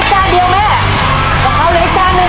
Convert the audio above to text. กะเพราเหลืออีกจานเดียวแม่